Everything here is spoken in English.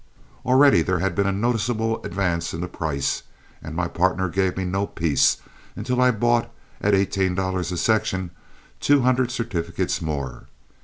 Already there had been a noticeable advance in the price, and my partner gave me no peace until I bought, at eighteen dollars a section, two hundred certificates more.